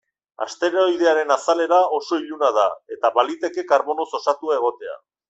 Asteroidearen azalera oso iluna da, eta baliteke karbonoz osatua egotea.